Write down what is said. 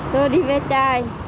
tôi đi về chai